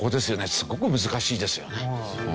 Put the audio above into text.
すごく難しいですよね。